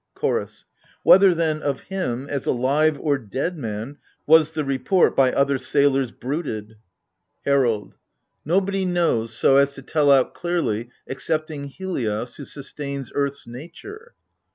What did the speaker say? CHOROS. Whether, then, of him, as a live or dead man Was the report by other sailors bruited ? 54 AGAMEMNON. HERALD. Nobody knows so as to tell out clearly Excepting Helios who sustains earth's nature.